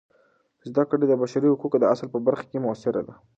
زده کړه د بشري حقونو د اصل په برخه کې مؤثره ده.